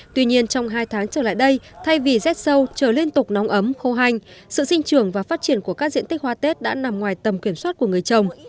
tuy nhiên trong hai tháng trở lại đây thay vì rét sâu trời liên tục nóng ấm khô hành sự sinh trưởng và phát triển của các diện tích hoa tết đã nằm ngoài tầm kiểm soát của người trồng